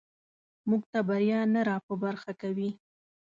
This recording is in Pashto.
موږ ته بریا نه راپه برخه کوي.